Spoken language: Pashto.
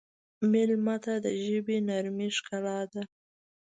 مېلمه ته د ژبې نرمي ښکلا ده.